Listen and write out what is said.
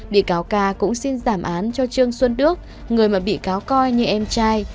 bị cáo ca cũng xin giảm án cho trương xuân đức người mà bị cáo coi như em trai